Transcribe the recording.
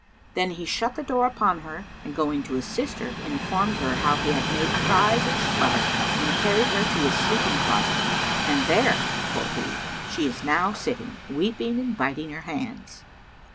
Then he shut the door upon her and going to his sister, informed her how he had made prize of his lover and carried her to his sleeping closet, "And there," quoth he, "she is now sitting, weeping and biting her hands."